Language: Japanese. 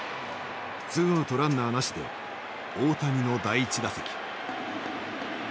ツーアウトランナーなしで大谷の第１打席。